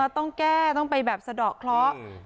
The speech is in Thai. ต้องแก้ต้องไปแบบสะดอกเคราะห์